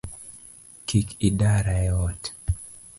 Kik idara eot